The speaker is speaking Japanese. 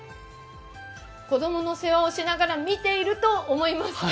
子供の世話をしながら見ていると思います。